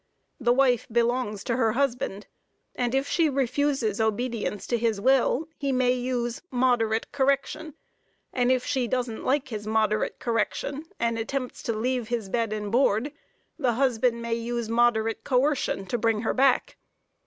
The wife belongs to her husband; and if she refuses obedience to his will, he may use moderate correction, and if she doesn't like his moderate correction, and attempts to leave his "bed and board," the husband may use moderate coercion to bring her back.